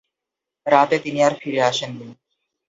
রাতে তিনি আর ফিরে আসেননি।